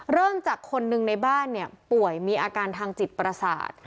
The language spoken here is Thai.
เริ่มจากคนหนึ่งในบ้านป่วยมีอาการทางจิตประสาท